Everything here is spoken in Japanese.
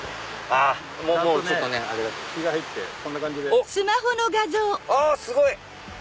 あすごい！